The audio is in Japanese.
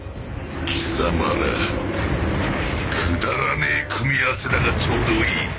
貴様らくだらねえ組み合わせだがちょうどいい。